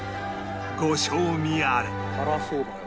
ご賞味あれ！